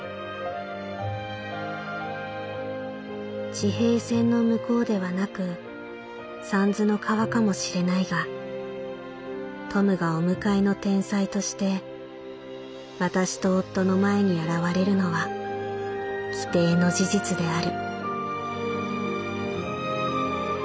「地平線の向こうではなく三途の川かもしれないがトムがお迎えの天才として私と夫の前に現れるのは規定の事実である」。